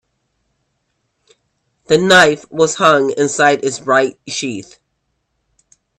The knife was hung inside its bright sheath.